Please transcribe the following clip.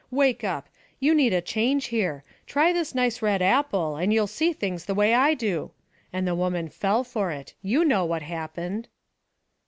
'Wake up. You need a change here. Try this nice red apple, and you'll see things the way I do.' And the woman fell for it. You know what happened."